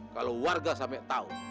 kalau warga sampai tau